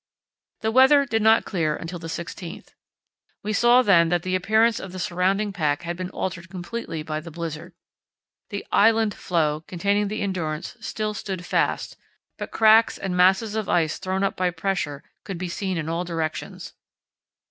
The weather did not clear until the 16th. We saw then that the appearance of the surrounding pack had been altered completely by the blizzard. The "island" floe containing the Endurance still stood fast, but cracks and masses of ice thrown up by pressure could be seen in all directions.